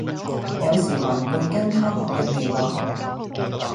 有時還會跟她學印尼話